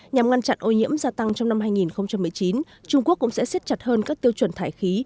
nhằm ngăn chặn ô nhiễm gia tăng trong năm hai nghìn một mươi chín trung quốc cũng sẽ xiết chặt hơn các tiêu chuẩn thải khí